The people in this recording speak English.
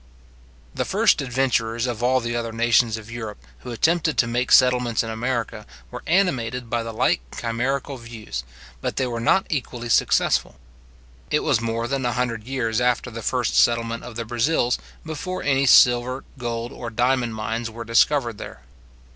The first adventurers of all the other nations of Europe who attempted to make settlements in America, were animated by the like chimerical views; but they were not equally successful. It was more than a hundred years after the first settlement of the Brazils, before any silver, gold, or diamond mines, were discovered there.